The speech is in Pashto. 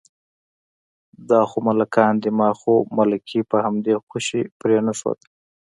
دا خو ملکان دي، ما خو ملکي په همدې خوشې پرېنښوده.